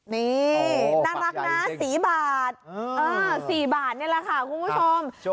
นี้น่ารักนะสี่บาทเออสี่บาทนี้แหละค่ะคุณผู้ชม